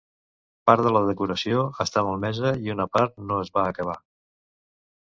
Part de la decoració està malmesa i una part no es va acabar.